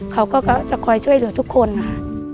เขาก็จะคอยช่วยเหลือทุกคนค่ะ